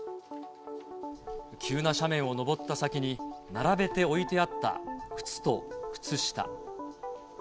急な斜面を登った先に並べて置いてあった靴と靴下。